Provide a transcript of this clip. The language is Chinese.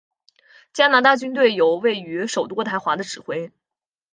加拿大军队由位于首都渥太华的指挥。